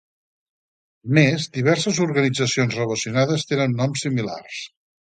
A més, diverses organitzacions relacionades tenen noms similars.